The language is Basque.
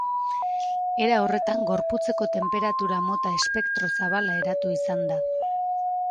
Era horretan gorputzeko tenperatura mota espektro zabala eratu izan da.